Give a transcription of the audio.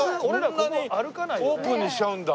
こんなにオープンにしちゃうんだ。